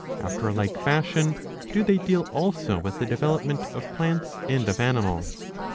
After a like fashion do they deal also with the development of plants and of animals.